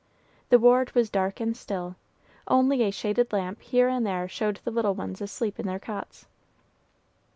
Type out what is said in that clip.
The ward was dark and still, only a shaded lamp here and there showed the little ones asleep in their cots.